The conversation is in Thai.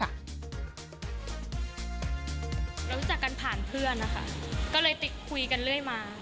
รู้จักกันผ่านเพื่อนนะคะก็เลยคุยกันเรื่อยมา